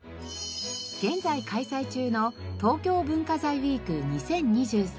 現在開催中の東京文化財ウィーク２０２３。